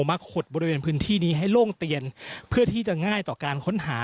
ขดบริเวณพื้นที่นี้ให้โล่งเตียนเพื่อที่จะง่ายต่อการค้นหา